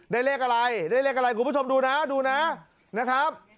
ได้เลขอะไรได้เลขอะไรคุณผู้ชมดูนะดูนะนะครับ